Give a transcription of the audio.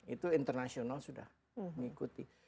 itu internasional sudah mengikuti